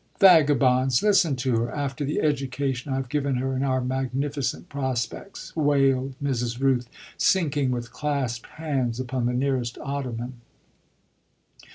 "Vagabonds listen to her! after the education I've given her and our magnificent prospects!" wailed Mrs. Rooth, sinking with clasped hands upon the nearest ottoman.